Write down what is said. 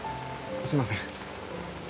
すいません。